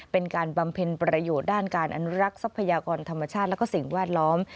บำเพ็ญประโยชน์ด้านการอนุรักษ์ทรัพยากรธรรมชาติและสิ่งแวดล้อม